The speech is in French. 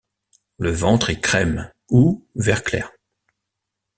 Le ventre est crème ou vert clair.